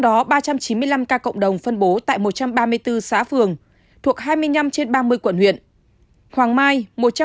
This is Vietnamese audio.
số ca mắc này ghi nhận tại một trăm chín mươi hai xã phường thị trấn thuộc hai mươi năm trên ba mươi quận huyện là hoàng mai một trăm một mươi ca